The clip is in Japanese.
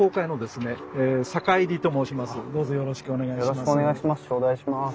よろしくお願いします。